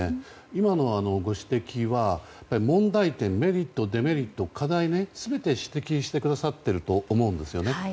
今のご指摘は問題点、メリットデメリット、課題全て指摘してくださっていると思うんですよね。